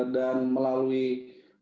dan melalui banyak platform